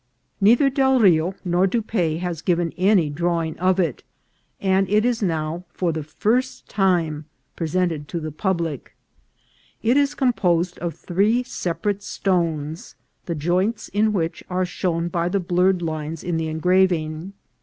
Neither Del Rio nor Dupaix has given any drawing of it, and it is now for the first time presented to the public. It is composed of three separ ate stones, the joints in which are shown by the blurred lines in the engraving.